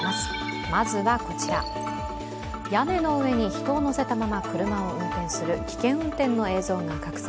屋根の上に人を乗せたまま車を運転する危険運転の映像が拡散。